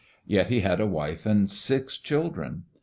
Yet he had a wife and six children.